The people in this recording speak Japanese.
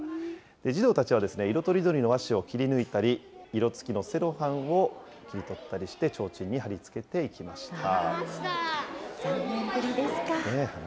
児童たちは、色とりどりの和紙を切り抜いたり、色つきのセロハンを切り取ったりして、ちょうちんに貼り付けていきました。